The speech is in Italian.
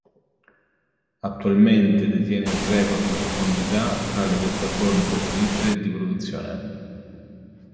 Attualmente detiene il record di profondità tra le piattaforme petrolifere di produzione.